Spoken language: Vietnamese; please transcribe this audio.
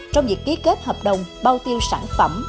trong việc ký kết hợp đồng bao tiêu sản phẩm